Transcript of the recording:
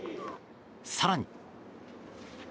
更に。